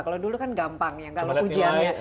kalau dulu kan gampang ya kalau ujiannya